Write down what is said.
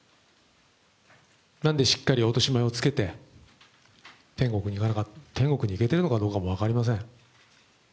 なので、しっかり落とし前をつけて、天国に行けてるのかどうかも分かりません。